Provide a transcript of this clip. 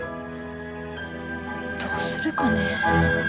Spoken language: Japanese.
どうするかね。